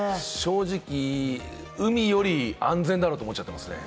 正直、海より安全だろうと思っちゃってますね。